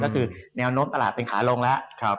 ก็คือแนวโน้มตลาดเป็นขาลงแล้ว